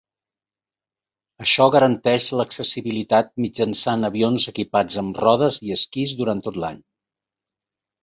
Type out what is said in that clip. Això garanteix l'accessibilitat mitjançant avions equipats amb rodes i esquís durant tot l'any.